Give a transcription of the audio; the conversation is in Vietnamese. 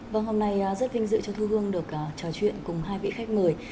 vâng hôm nay rất vinh dự cho thu hương được trò chuyện cùng hai vị khách mời